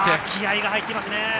気合が入っていますね。